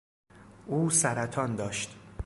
او سرطان داشت.